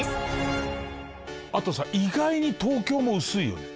あとさ意外に東京も薄いよね。